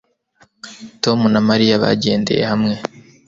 Tom na Mariya bagendeye hamwe